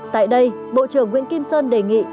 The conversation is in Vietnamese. tại đây bộ trưởng nguyễn kim sơn đề nghị